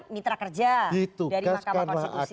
mitra kerja dari mahkamah konstitusi